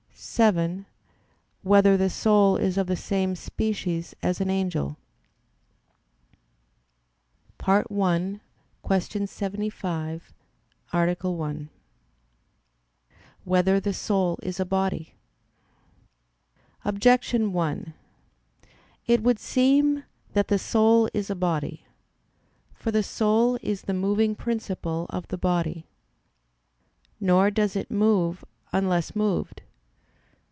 (7) Whether the soul is of the same species as an angel? _______________________ FIRST ARTICLE [I, Q. 75, Art. 1] Whether the Soul Is a Body? Objection 1: It would seem that the soul is a body. For the soul is the moving principle of the body. Nor does it move unless moved.